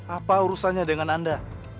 apa urusannya dengan anda